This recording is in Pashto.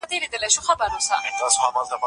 مکتب د ښوونکي له خوا خلاصیږي.